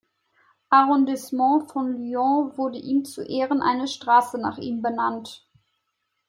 Arrondissement von Lyon wurde ihm zu Ehren eine Straße nach ihm benannt.